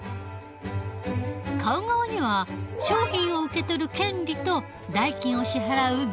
買う側には商品を受けとる権利と代金を支払う義務が生まれる。